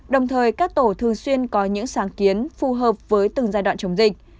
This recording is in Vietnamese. đồng thời các tổ thường xuyên có những sáng kiến phù hợp với từng giai đoạn chống dịch